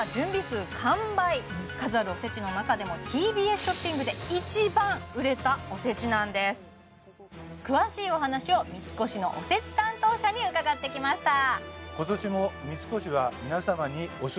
数あるおせちの中でもＴＢＳショッピングで一番売れたおせちなんです詳しいお話を三越のおせち担当者に伺ってきました